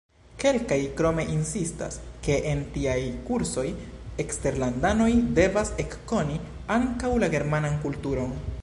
Kelkaj krome insistas, ke en tiaj kursoj eksterlandanoj devas ekkoni ankaŭ la germanan kulturon.